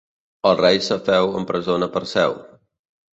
El rei Cefeu empresona Perseu.